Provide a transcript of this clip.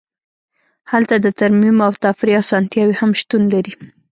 هلته د ترمیم او تفریح اسانتیاوې هم شتون لري